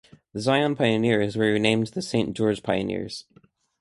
The Zion Pioneerzz were renamed the Saint George Pioneerzz.